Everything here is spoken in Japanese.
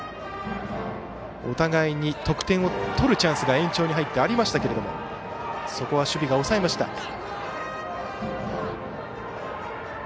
お互いに得点を取るチャンスが延長に入ってありましたがそこは守備が抑えました。